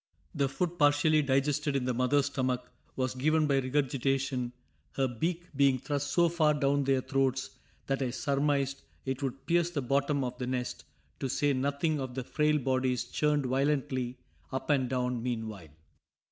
The food, partially digested in the mother's stomach, was given by regurgitation, her beak being thrust so far down their throats that I surmised it would pierce the bottom of the nest, to say nothing of the frail bodies churned violently up and down meanwhile.